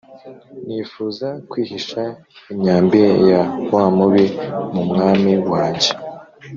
Nifuza kwihisha imyambi ya wamubi mu mwami wanjye